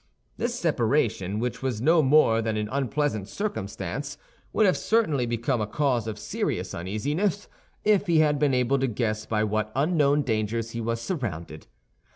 This separation, which was no more than an unpleasant circumstance, would have certainly become a cause of serious uneasiness if he had been able to guess by what unknown dangers he was surrounded.